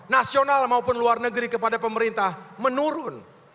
nasional maupun luar negeri kepada pemerintah menurun